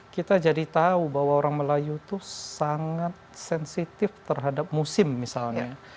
kita jadi tahu bahwa orang melayu itu sangat sensitif terhadap musim misalnya